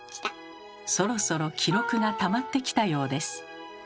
そろそろ記録がたまってきたようです。